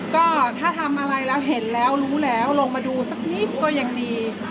ก็ถ้าทำอะไรแล้วเห็นแล้วรู้แล้วลงมาดูสักนิดก็ยังดี